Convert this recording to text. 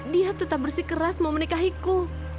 dia tetap bersikeras mau menikahiku